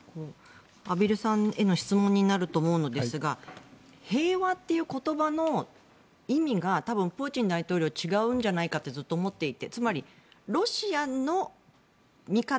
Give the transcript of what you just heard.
畔蒜さんへの質問になると思うのですが平和っていう言葉の意味が多分、プーチン大統領は違うんじゃないかってずっと思っていてつまりロシアの見方